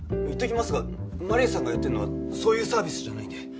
言っておきますがマリアさんがやってるのはそういうサービスじゃないんで。